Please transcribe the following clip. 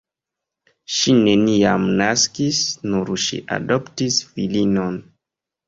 Ŝi neniam naskis, nur ŝi adoptis filinon.